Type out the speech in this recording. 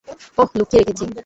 ওহ, লুকিয়ে রেখেছি।